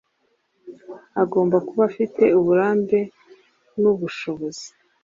agomba kuba afite uburambe n ubushobozi